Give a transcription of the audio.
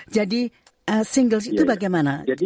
jadi single itu bagaimana